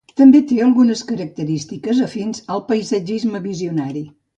També té algunes característiques afins al Paisatgisme visionari.